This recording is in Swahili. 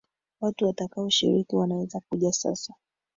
Watu watakao shiriki wanaweza kuja sasa